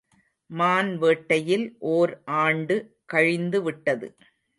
மான் வேட்டையில் ஓர் ஆண்டு கழிந்துவிட்டது.